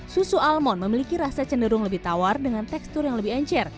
susu almond memiliki rasa cenderung lebih tawar dengan tekstur yang lebih encer